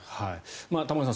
玉川さん